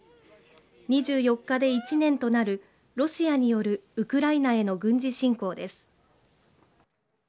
２４日で１年となるロシアによるウクライナへの軍事侵攻です。